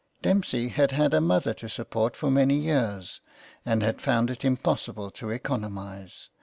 Dempsey had had a mother to support for many years, and had found it impossible to economise.